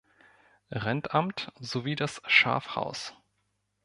Rentamt sowie das Schafhaus.